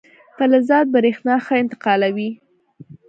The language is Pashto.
فلزات برېښنا ښه انتقالوي.